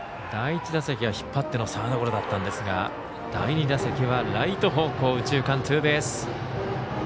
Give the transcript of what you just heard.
第１打席は引っ張ってのサードゴロだったんですが第２打席はライト方向右中間ツーベース。